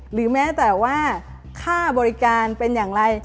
หรือแม้แต่ว่าค่าบริการเป็นอย่างไร